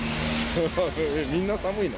みんな寒いの？